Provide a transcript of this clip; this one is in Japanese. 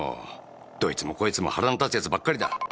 どいつもこいつも腹の立つ奴ばっかりだ！